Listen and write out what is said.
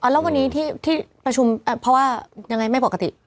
อ๋ออ๋อแล้ววันนี้ที่ที่ประชุมอ่ะเพราะว่ายังไงไม่ปกติ